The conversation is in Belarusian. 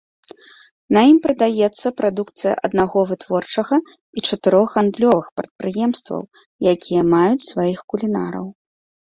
На ім прадаецца прадукцыя аднаго вытворчага і чатырох гандлёвых прадпрыемстваў, якія маюць сваіх кулінараў.